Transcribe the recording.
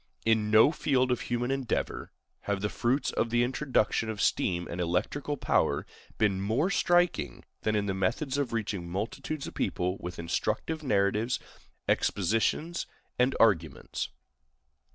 In no field of human endeavor have the fruits of the introduction of steam and electrical power been more striking than in the methods of reaching multitudes of people with instructive narratives, expositions, and arguments.